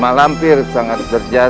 mak lampir sangat berjaya